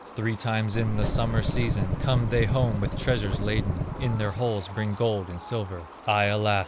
Three times in the summer season Come they home with treasures laden, In their hulls bring gold and silver; I, alas!